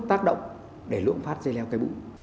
tác động để luộm phát dây leo cây bũ